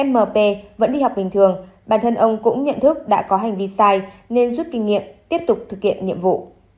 mp vẫn đi học bình thường bản thân ông cũng nhận thức đã có hành vi sai nên rút kinh nghiệm tiếp tục thực hiện nhiệm vụ